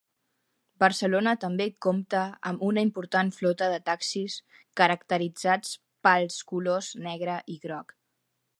Barcelona també compta amb una important flota de taxis, caracteritzats pels colors negre i groc.